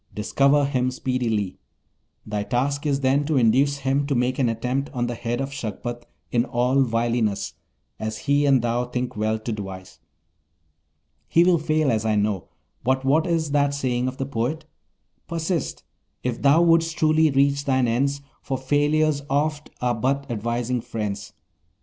Discover him speedily. Thy task is then to induce him to make an attempt on the head of Shagpat in all wiliness, as he and thou think well to devise. He will fail, as I know, but what is that saying of the poet? "Persist, if thou wouldst truly reach thine ends, For failures oft are but advising friends."